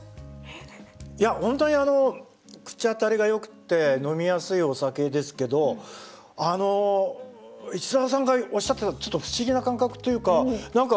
いや本当にあの口当たりがよくって飲みやすいお酒ですけどあの市澤さんがおっしゃってたちょっと不思議な感覚っていうか何か